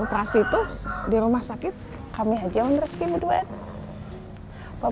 operasi itu di rumah sakit kami saja yang rizky berdua